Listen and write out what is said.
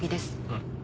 うん。